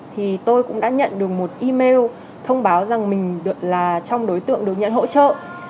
thì tôi cũng đã nhận được một email thông báo rằng mình được là trong đối tượng được nhận hỗ trợ